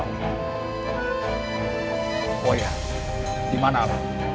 oh ya di mana alang